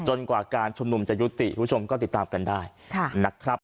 จนกว่าการชุมนุมจะยุติทุกชมก็ติดตามกันได้ค่ะนะครับ